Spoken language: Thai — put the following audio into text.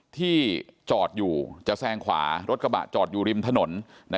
ที่จอดอยู่จะแซงขวารถกระบะจอดอยู่ริมถนน